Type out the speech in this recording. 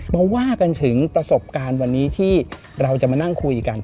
มาว่ากันถึงประสบการณ์วันนี้ที่เราจะมานั่งคุยกัน